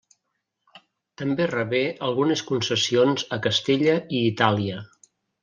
També rebé algunes concessions a Castella i Itàlia.